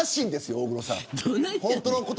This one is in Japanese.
大黒さん。